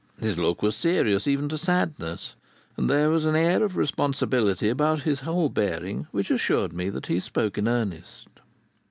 His look was serious even to sadness, and there was an air of responsibility about his whole bearing which assured me that he spoke in earnest.